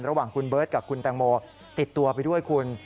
ระหว่างคุณเบิร์ตกับคุณแตงโมติดตัวไปด้วยคุณ